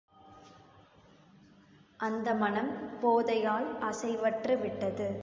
அந்த மனம் போதையால் அசைவற்று விட்டது!